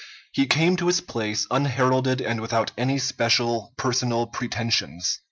He came to his place unheralded and without any special personal pretensions.